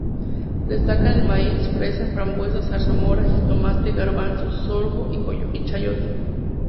Destacan el maíz, fresa, frambuesa, Zarzamora, jitomate, garbanzo, sorgo y chayote.